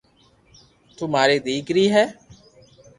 تو ماري ديڪري ھي